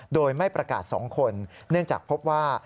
โดยไม่ประกาศ๒คนเนื่องจากพบว่า